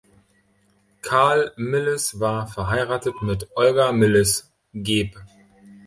Carl Milles war verheiratet mit Olga Milles, geb.